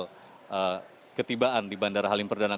keadaan penerbangan yang berakhir di malaya adalah